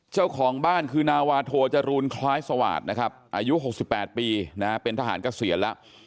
เจ้าของบ้านคือนาวาโทจรูลคล้ายสวาสตร์นะครับอายุ๖๘ปีเป็นทหารเกษียณแล้ว